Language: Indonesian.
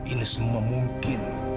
ini semua mungkin